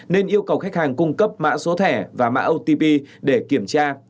nên yêu cầu khách hàng cung cấp mã số thẻ và mã otp để kiểm tra